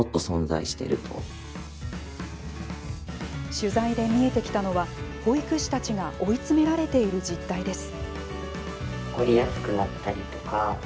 取材で見えてきたのは保育士たちが追い詰められている実態です。